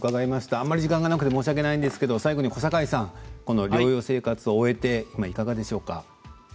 あまり時間がなくて申し訳ないんですか最後に療養生活を終えていかがでしょうか。